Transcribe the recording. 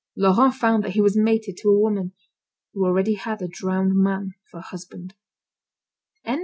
Laurent found that he was mated to a woman who already had a drowned man for husband.